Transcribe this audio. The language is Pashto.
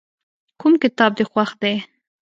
کوم کتاب دې خوښ دی؟